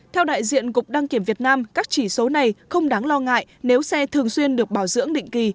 theo đại diện cục đăng kiểm việt nam các chỉ số này không đáng lo ngại nếu xe thường xuyên được bảo dưỡng định kỳ